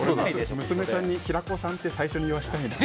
娘さんに、平子さんって最初に言わせたいな。